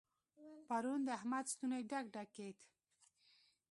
پرون د احمد ستونی ډک ډک کېد.